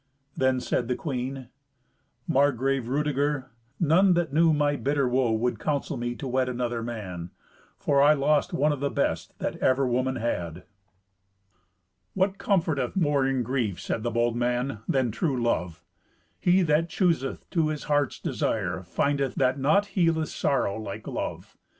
Then said the queen, "Margrave Rudeger, none that knew my bitter woe would counsel me to wed another man, for I lost one of the best that ever woman had." "What comforteth more in grief," said the bold man, "than true love? He that chooseth to his heart's desire findeth that naught healeth sorrow like love.